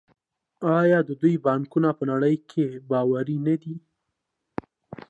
آیا د دوی بانکونه په نړۍ کې باوري نه دي؟